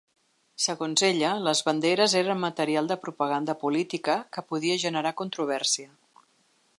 Segons ella, les banderes eren ‘material de propaganda política’ que podia generar controvèrsia.